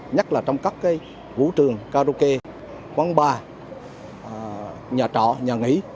nhất là trong các vũ trường karaoke quán bar nhà trọ nhà nghỉ